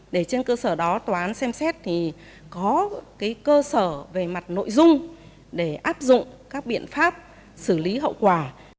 để trên cơ sở đó tòa án xem xét thì có cơ sở về mặt nội dung để áp dụng các biện pháp xử lý hậu quả